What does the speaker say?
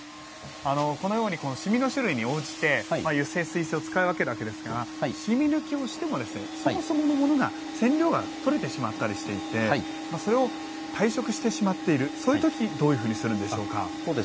このように染みの種類に応じて油性、水性を使い分けるわけですが染み抜きをしてもそもそものものが染料が取れてしまったりしていてそれを退色してしまっているそういう時はどういうふうにするんでしょうか。